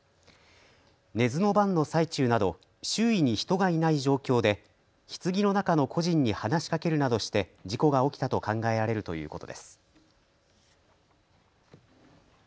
寝ずの番の最中など周囲に人がいない状況でひつぎの中の故人に話しかけるなどして事故が起きたと考えられるということです。